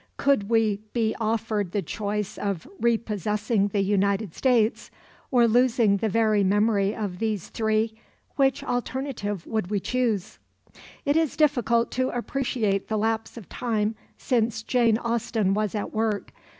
Could we be offered the choice of re possessing the United States, or losing the very memory of these three, which alternative would we choose? It is difficult to appreciate the lapse of time since Jane Austen was at work.